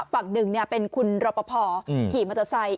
ฝั่งหนึ่งเนี่ยเป็นคุณรปภหิมตะไซส์